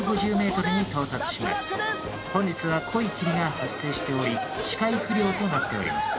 本日は濃い霧が発生しており視界不良となっております。